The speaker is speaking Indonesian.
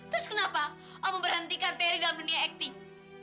terus kenapa om memberhentikan terry dalam dunia akting